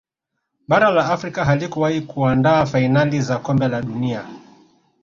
bara la Afrika halikuwahi kuandaa fainali za kombe la dunia